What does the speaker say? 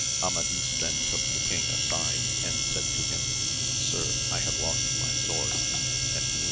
Amadis then took the king aeic and said to him, Sir, I have lost my sword, and knef.